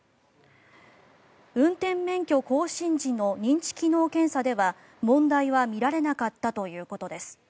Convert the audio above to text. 運転免許更新時の認知機能検査では問題は見られなかったということです。